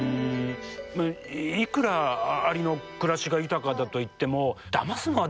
いくらアリの暮らしが豊かだといってもだますのはでもどうなのかな？